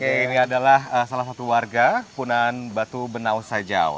ini adalah salah satu warga punan batu benau sajau